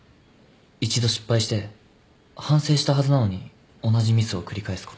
一度失敗して反省したはずなのに同じミスを繰り返すこと。